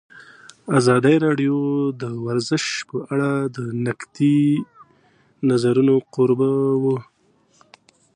ازادي راډیو د ورزش په اړه د نقدي نظرونو کوربه وه.